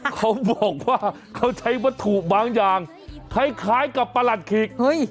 เขาบอกว่าเขาใช้วัตถุบางอย่างคล้ายกับประหลัดขีก